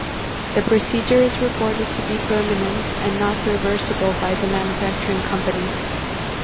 The procedure is reported to be permanent and not reversible by the manufacturing company.